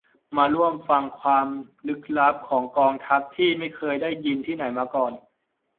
มาร่วมฟังความลึกลับของกองทัพที่ไม่เคยได้ยินที่ไหนมาก่อน